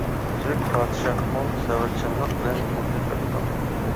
تۈرك پادىشاھمۇ سەۋرچانلىق بىلەن پۇلنى بېرىدۇ.